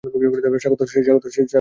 স্বাগত, স্যার।